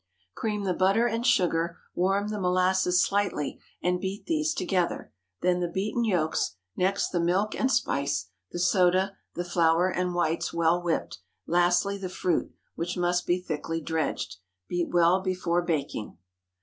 Cream the butter and sugar, warm the molasses slightly, and beat these together; then the beaten yolks, next the milk and spice, the soda, the flour and whites well whipped; lastly, the fruit, which must be thickly dredged. Beat well before baking.